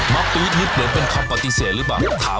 มับปี๊ดนี่เป็นคำปฏิเสธหรือเปล่า